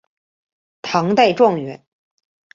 唐代状元。